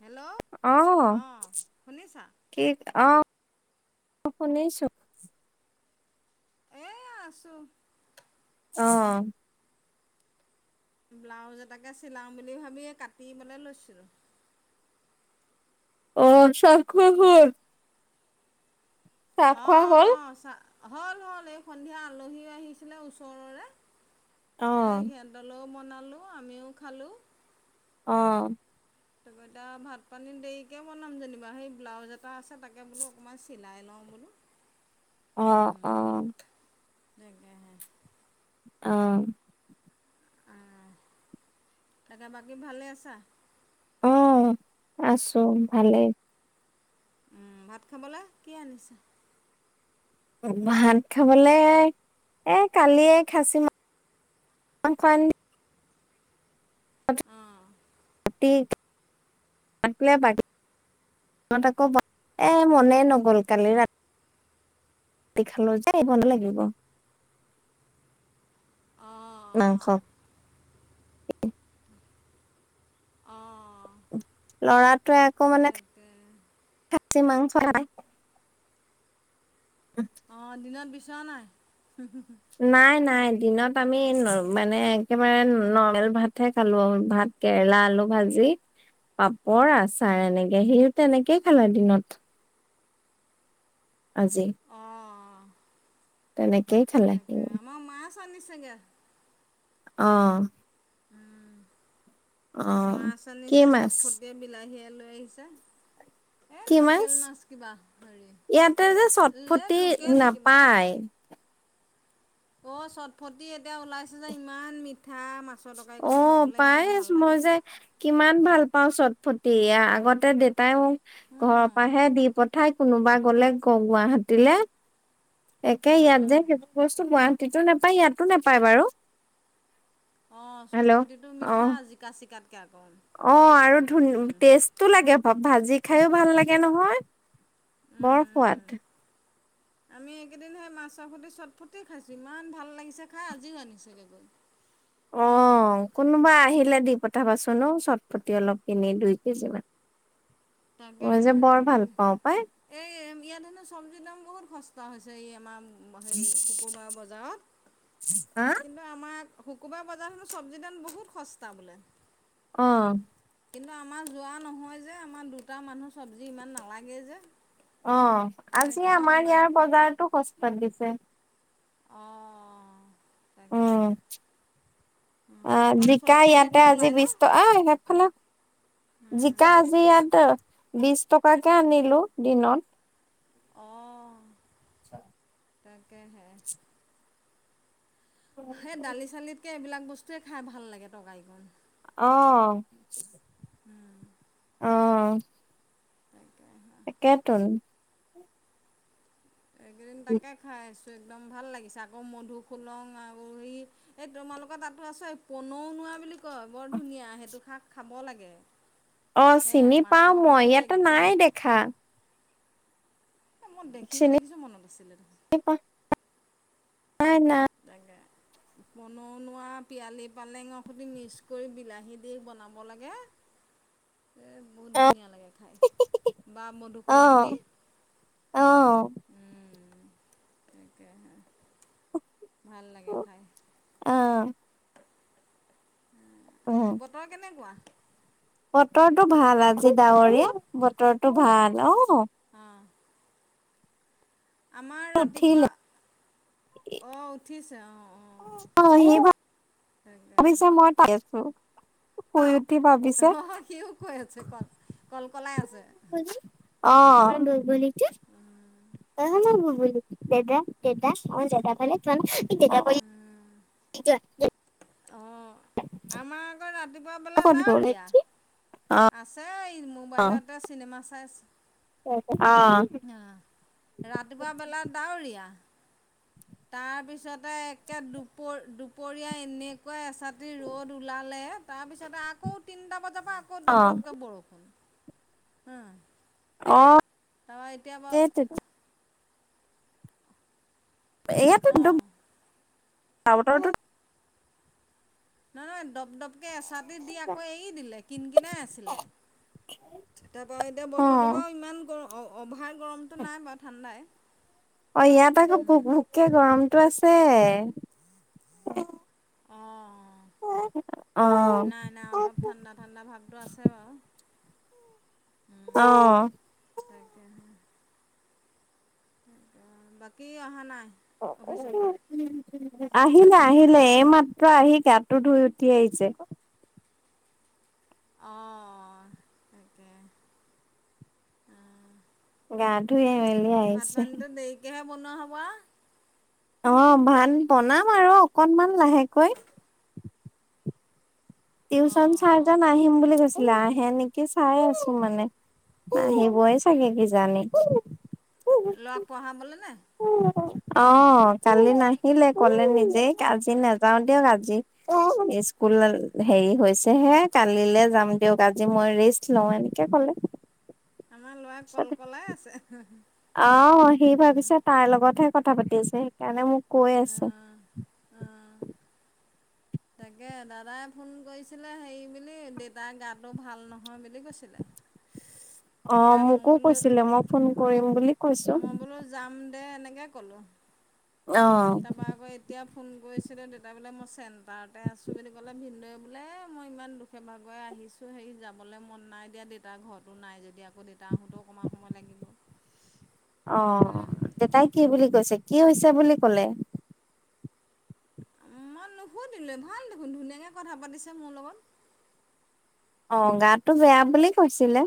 Hello. অঁহ', অঁ শুনিছা কি' অঁহ শুনিছো। এয়া আছো। অঁহ। ব্লাউজ এটাকে চিলাওঁ বুলি ভাবি এয়া কাটিবলে লৈছিলোঁ। অ চাহ খোৱা হ'ল? চাহ অঁহ খোৱা ', হ'ল অঁহ ', চা হ'ল-হ'ল এই সন্ধিয়া আলহী আহিছিলে ওচৰৰে। অ এ সিহঁতলৈও বনালো আমিও খালোঁ। অঁ। তাকে এতিয়া ভাত-পানী দেৰিকে বনাম যেনিবা সেই ব্লাউজ এটা আছে তাকে বোলো অকণমান চিলাই লওঁ বোলো। [inaudible] অ উম' তাকে হে। অ। অঁহ। তাকে বাকী ভালে আছা? অঁ আছো ভালেই। উমঁ ভাত খাবলে কি' আনিছা? ভাত খাবলে এ' কালিয়ে খাচি মাং- অন কণ অঁহ। তিক ত' আকৌ বা এ' মনেই নগ'ল কালি ৰাত খালো যে এই লাগিব। অঁহ', মাংস অঁহ। অঁহ। ল'ৰাটোৱে আকৌ মানে খাচী মাংস খাই। উমঁ। অঁহ', দিনত বিচৰা নাই? নাই-নাই দিনত আমি নৰ মানে একেবাৰে নৰ্মেল ভাত'হে খালো আৰু ভাত। কেৰেলা, আলু ভাজি, পাপৰ, আচাৰ এনেকে সিও তেনেকেই খালে দিনত- আজি। অঁ অ তেনেকেই খালে সি। আমাৰ মাছ আনিছে গে অঁ। উম, অ মাছ কি আনিছে মাছ চটফটিয়ে বিলাহীয়ে লৈ আহিছে। এ লোকেল মাছ কিবা ইয়াতে হেৰি লে লোকেল কিবা। হায়। অ, চটফটি এতিয়া ওলাইছে যে ইমান মিঠা মা অ, পাই ইচ মই যে কিমান ভাল পাও চটফটি আগতে দেতাই মোক ঘৰৰ পাহে দি পঠাই। কোনোবা গলে গ গুৱাহাটীলে একে ইয়াত যে বস্তু গুৱাহাটীতো নাপায় ইয়াতো নাপায় বাৰু। অ, হেল্ল' চটফটিটো অ মিঠা জিকা চিকাতকে আকৌ। অ, আৰু ধুন টেষ্টো লাগে ভাজি খাইও ভাল লাগে নহয়। বৰ আকৌ সোৱাদ। আমি এইকেইদিন সেই মাছ সৈতি চটফটি খাইছো ইমান ভাল লাগিছে খাই আজিও আনিছেগে গৈ। [inaudible] হুম, কোনোবা আহিলে দি পঠাবাচোন ঔ চটপতি অলপ কিনি দুই কেজি মান। তাকে মই যে হে বৰ দি ভাল পাও পাই। এই ইয়াত হেনো চবজিৰ দাম বহুত সস্তা হৈছে এই আমাৰ সেই শুকুবাৰ বজাৰ হা? কিন্ত কিন্তু আমাৰ শুকুবাৰ বজাৰতখনো চবজি দাম বহুত সস্তা বোলে। অ', কিন্তু আমাৰ যোৱা নহয় যে আমাৰ দুটা মানুহ চবজি ইমান নালাগে যে। অ, আজি সেইকাৰণে আমাৰ অনা ইয়াৰ বজাৰতো সস্তাত দিছে। অ', উম, অ, তাত জিকা ইয়াতে চটফটিটো আজি নোলায় ন? বিচ টকা, ঐ সেইফালে জিকা আজি ইয়াত বিশ টকাকে আনিলো দিনত। অ', আচ্ছা। তাকে হে। সেই দালি চালিতকে এইবিলাক বস্তুৱে খাই ভাল লাগে তৰকাৰিকন। অ', উম, অ', তাকে তাকেতো এইকেইদিন তাকে খাই আছো একদম ভাল লাগিছে আকৌ মধুসোলং আৰু সেই এই তোমালোকৰ তাতো আছে পনৌনোৱা বুলি কয় বৰ ধুনীয়া সেইটো শাক খাব লাগে। অ, সেয়া চিনি পাওঁ মাছৰ মই খুটি ইয়াতে একদম নাই দেখা। মই দেখিছো - চিনি দেখিছো মনত আছিলে। পাও নাই - নাই। তাকে। বনুনোৱা পিয়ালি পালেঙৰ সৈতে মিক্স কৰি বিলাহী দি বনাব লাগে। এই বহুত অ', ধুনীয়া লাগে খাই বা মধুসোলং অ', দি। অ', তাকে হে ভাল লাগে খাই। অ। উম, বতৰ কেনেকুৱা? বতৰটো ভাল আজি ডাৱৰ বতৰ বতৰটো ভাল অ, অ', আমাৰ ৰাতিপুৱা উঠিলে অ, উঠিছে অ', অ', অ, আহিব তাকে আমি চা মই তাই আছো। সোই উঠি ভাবি। অহহ সিও কৈ আছে কল কল কলাই আছে। অ অ আমাৰ বুবুলিটো দেদা দেদা অ দেদাফালে চোৱা না। দেদা পৰি যোৱা। অঁ [unintelligible] আমাৰ আকৌ ৰাতিপুৱা বেলা অ', ডাৱৰীয়া আছে ই মোৰ। মোবাইলতে চিনেমা চাইছে। অ। অ ৰাতিপুৱা বেলা ডাৱৰীয়া। তাৰ পিছতে একে দুপ দুপৰীয়া এনেকুৱা এচাত। যি ৰ'দ ওলালে তাৰপিছতে আকৌ তিনটা বজা পা। আকৌ অ', দপডপকে বৰষুণ উম। অ তাপা এতিয়া বাও। সেইটোতো এয়াতো একদম অঁ বতৰটো। নহয় নহয় দপ দপকে এচাটি দি আকৌ এৰি দিলে কিনকিনাই আছিলে। তাপা এতিয়া অ বতৰটো বাও ইমান গৰ অ অভাৰ গৰমটো নাই বাওঁ ঠাণ্ডাই। অ ইয়াত আকৌ ভোক ভোককে গৰমটো আছে। অ অ নাই নাই অলপ। ঠাণ্ডা ঠাণ্ডা ভাগটো আছে বাও উম। অ তাকেহে। অ অ বাকী অহা নাই। অফিচৰ পৰা [unintelligible] আহিলে আহিলে এইমাত্ৰ আহি গাটো ধুই উঠি আহিছে। অ তাকে। গা ধুইয়ে মেলিয়ে। ভাত পানীটো দেৰিকেহে বনোৱা হ'ব আও। অ ভাত বনাম আৰু অকনমান লাহেকৈ। টিউচন অঁ অঁ চাৰজন আহিম বুলি কৈছিলে আহে নেকি চাই আছো মানে। নাহিবই চাকে কিজানি। ল'ৰা পঢ়াবলে নে। অ কালি নাহিলে ক'লে নিজেই আজি নাযাও দিয়ক আজি। অ স্কুল হেৰি হৈছেহে কালিলে যাম দিয়ক আজি মই ৰিষ্ট। লও এনেকে ক'লে। আমাৰ ল'ৰা কলকলাই আছে। আহ সি ভাবিছে তাইৰ লগতহে কথা পাতি আছে সেইকাৰণে মোক কৈ আছে। অ', অ'। [unintelligible] তাকে দাদাই ফোন কৰিছিলে হেৰি বুলি দেউতাৰ গাটো ভাল নহয় বুলি কৈছি অ', লে মই মোকো বোলো কৈছিলে মই ফোন কৰিম মই বুলি কৈছো মই বোলো যাম দে এনেকে ক'লো। অ। তাৰপৰা আকৌ এতিয়া ফোন কৰিছিলো দেউতা বোলে মই চেণ্টাৰতে আছো বুলি ক'লে ভিনদৈয়ে বোলে মই ইমান দুখ। ভাগই আহিছোঁ হেৰি যাবলৈ মন নাই দেউতাৰ ঘৰতো নাই যদি আকৌ দেউতা আহোঁতেও অকণমান সময় লাগিব। অ উম। দেউতাই কি বুলি কৈছে কি হৈছে বুলি ক'লে। উম মই নুশুধিলোঁ ভাল দেখোন ধুনীয়াকে কথা পাতিছে মোৰ লগত। অ গাতটো বেয়া বুলি কৈছিলে।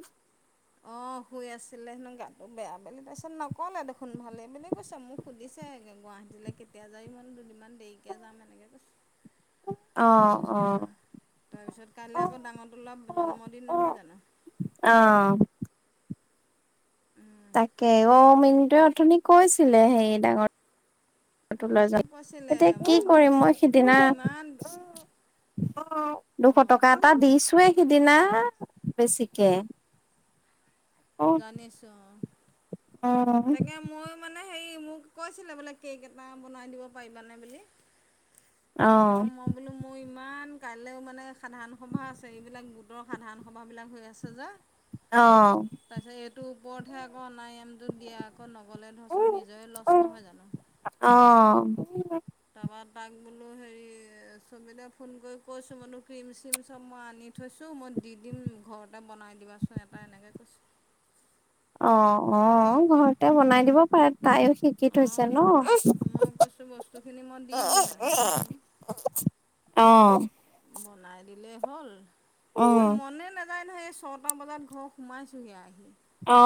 অ শুই আছিলে হেনো গাটো বেয়া বুলি কৈছে, নক'লে দেখোন ভালেই বুলি কৈছে মোক। সুধিছে একে গুৱাহাটীলে কেতিয়া যাবি? মই দুদিনমান দেৰিকে যাম এনেকে কৈছোঁ। অ তাৰপিছত কাইলে আকৌ ডাঙৰটো লৰা জন্মদিন অ', নহয় জানো? অ। তাকে অ মিন্টুৱে অথনি কৈছিলে হেই ডাঙৰ এটো লৈ মোকো যাম কৈছিলে এতিয়া কি মই বোলো কৰিম মই মো সিদিনা ইমান অ দুশ অঁ টকা এটা দিছোঁৱে সিদিনা বেছিকে। অ জানিছো অ। অ তাকে ময়ো মানে হেৰি মোক কৈছিলে বোলে কেক এটা বনাই দিব পাৰিবানে বুলি। তেওঁ ম বোলো মোৰ ইমান কাইলৈও মানে সাধাৰণ সভা আছে এইবিলাক গোটৰ সাধাৰণ সভাবিলাক হৈ আছে যে। অ তাৰ পিছত এইটো ওপৰতহে আকৌ নাই দিয়া আকৌ নগ'লে ধৰচোন নিজৰে লচ নহয় জানো? অ। তাপা তাক বোলো হেৰি ছবিলে ফোন কৰি কৈছোঁ বোলো ক্ৰীম চ্ৰীম চব মই আনি থৈছোঁ, মই দি দিম ঘৰতে বনাই দিবাচোন এটা এনেকে কৈছে। অ অ ঘৰতে বনাই দিব পাৰে তাইও শিক কি থৈছে অঁ ন। মই কৈছোঁ বস্তুখিনি মই দি দিম এনেকৈ কৈছোঁ [unintelligible] অ। বনাই দিলেই হ'ল এ উম মনে না যাই নহয় এই ছটা বজাত ঘৰ সোমাইছোঁহি আহি। অ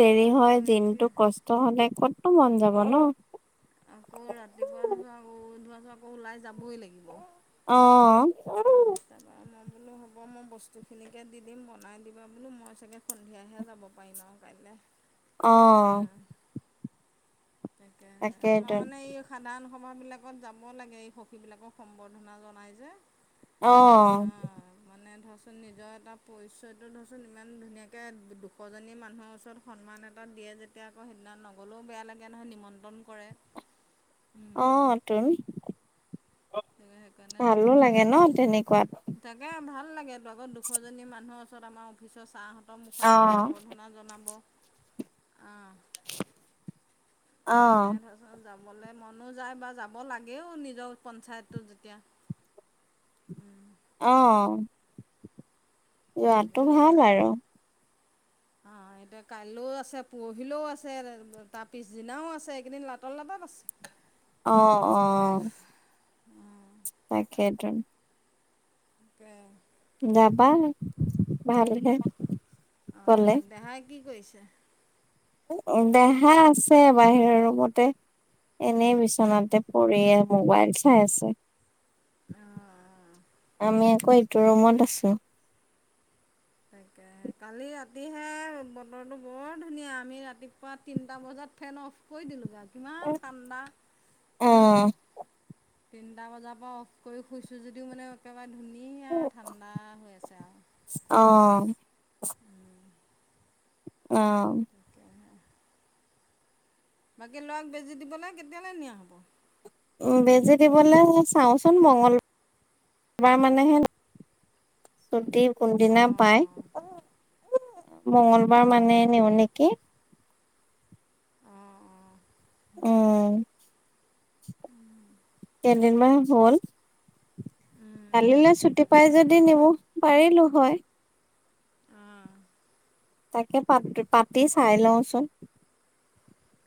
দেৰি আকৌ হয় দিনটো এতিয়া কষ্ট হলে কতো মন যাব ন। আকৌ ৰাতিপুৱা ধৰা আকৌ ওলাই যাবই লাগিব। অ তাৰপৰা মই বোলো হ'ব মই বস্তুখিনিকে দি দিম বনাই দিবা বোলো মই চাগে সন্ধিয়াহে যাব পাৰিম আও কাইলে। অ, তাকে আমাৰ তাকেইতো মানে এই সাধাৰণ সভাবিলাকত যাব লাগে এই সখীবিলাকক সম্বৰ্ধনা জনাই যে। অ। অঁ মানে ধৰচোন নিজৰ এটা পৰিচয়টো ধৰচোন ইমান ধুনীয়াকে দুশজনী মানুহৰ ওচৰত, সন্মান এটা দিয়ে যেতিয়া আকৌ সিদিনা নগ'লেও বেয়া লাগে নহয় নিমন্ত্ৰণ কৰে। অ টোন সেইকাৰণে ভালো লাগে যেনিবা ন তেনেকুৱাত। তাকে ভাল লাগেতো দুশজনী মানুহৰ ওচৰত আমাৰ অফিচৰ চা হঁত মুখ অ আগত সম্বৰ্ধনা জনাব আ। সেইকাৰণে ধৰাচোন যাবলে মনো যায় বা যাব লাগেও নিজৰ পঞ্চায়তটোত যেতিয়া। অ। যোৱটো তাকে ভাল আৰু অ এতিয়া কাইলৈও আছে পৰহিলৈও আছে তাৰ পিছদিনাও আছে এইকদি লাটৰ লাটত আছে। অ অ তাকেইতো। তাকে যাবা ভালহে অঁ গলে, দেহাই কি কৰিছে। দেহা আছে বাহিৰৰ ৰুমতে। এনেই বিচনাতে পৰিয়ে মোবাইল চাই আছে। অ অ, আমি আকৌ এইটো ৰুমত আছোঁ। তাকে। কালি ৰাতিহে বতৰটো বৰ ধুনীয়া আমি ৰাতিপুৱা তিনিটা বজাত ফেন অফ কৈ দিলোঁ গা কিমান ঠাণ্ডা অ হা। তিনিটা বজাৰ পৰা অফ কৰি শুইছোঁ যদিও মানে একেবাৰে ধুনীয়া ঠাণ্ডা হৈ আছে আও। অ, উম, অ, [inaudible] বাকী ল'ৰাক বেজি দিবলে কেতিয়ালে নিয়া হ'ব। উ বেজি দিবলে চাওঁচোন মংগল বাৰ মানেহে, ছুটি কোনদিনা পাই। অঁ মংগলবাৰ অঁ মানে অঁ নিও নেকি। অ অ, উম কেইদিন মান হল। উম উম কালিলে ছুটি পাই যদি নিব পাৰিলো হয়। অ, তাকে পত পাতি চাই লওঁচোন।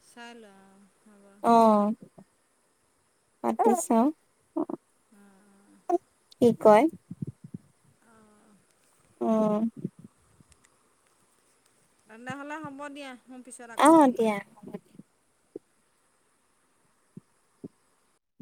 চাই ল অহ, অ পাতি চাও। অ', অ', কি কয়? অ', অ', অ', তেনেহ'লে হ'ব দিয়া মই পিছত অ আকৌ ফোন দিয়া কৰিম। হ'ব